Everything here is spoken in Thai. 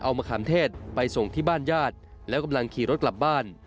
เอามะขามเทศไปส่งที่บ้านญาติแล้วกำลังขี่รถกลับบ้าน